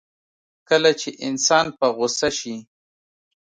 کله چې انسان په غوسه شي.